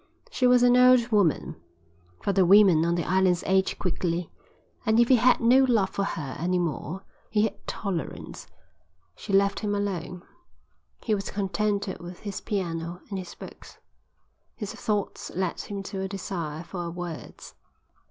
She was an old woman, for the women on the islands age quickly, and if he had no love for her any more he had tolerance. She left him alone. He was contented with his piano and his books. His thoughts led him to a desire for words.